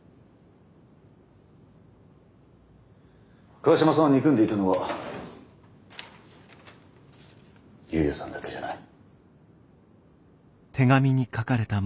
川島さんを憎んでいたのは有也さんだけじゃない。